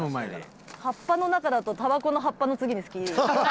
葉っぱの中だとタバコの葉っぱの次に好き。